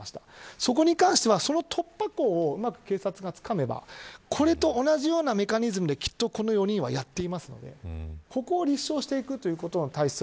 そこに関しては突破口をうまく警察がつかめばこれと同じようなメカニズムで４人はやっているのでここは立証していくのが大切。